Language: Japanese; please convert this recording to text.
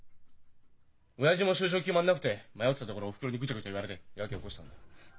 親父も就職決まんなくて迷ってたところおふくろにグチャグチャ言われてヤケ起こしたんだ。